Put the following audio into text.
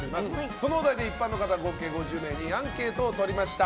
そのお題で一般の方合計５０名にアンケートを取りました。